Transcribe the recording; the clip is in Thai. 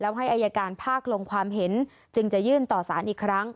ให้อายการภาคลงความเห็นจึงจะยื่นต่อสารอีกครั้ง